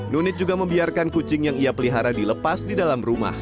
nunit juga membiarkan kucing yang ia pelihara dilepas di dalam rumah